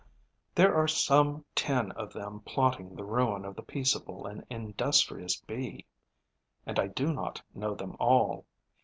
There are some ten of them plotting the ruin of the peaceable and industrious Bee; and I do not know them all.